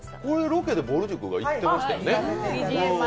これ、ロケでぼる塾が行ってますよね。